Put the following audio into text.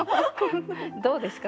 どうですか？